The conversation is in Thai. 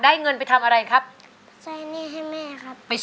เพลงนี้ที่๕หมื่นบาทแล้วน้องแคน